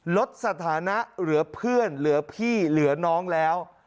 ลดสถานะเหลือเพื่อนเหลือพี่เหลือน้องแล้ว